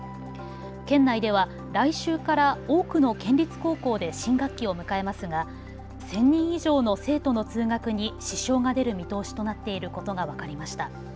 県内では来週から多くの県立高校で新学期を迎えますが１０００人以上の生徒の通学に支障が出る見通しとなっていることが分かりました。